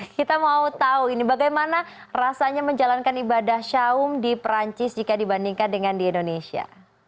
kita mau tahu ini bagaimana rasanya menjalankan ibadah syaum di perancis jika dibandingkan dengan di indonesia